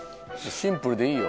シンプルでいいよ。